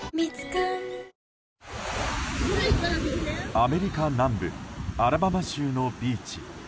アメリカ南部アラバマ州のビーチ。